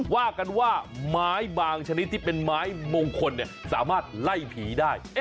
ว่ากันว่าไม้บางชนิดที่เป็นไม้มงคลสามารถไล่ผีได้